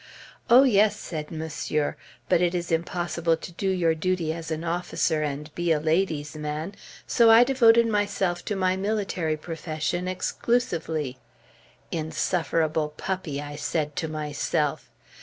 "Oh, yes!" said monsieur, "but it is impossible to do your duty as an officer, and be a lady's man; so I devoted myself to my military profession exclusively." "Insufferable puppy!" I said to myself.